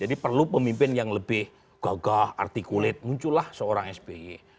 jadi perlu pemimpin yang lebih gagah arti kulit muncul lah seorang sby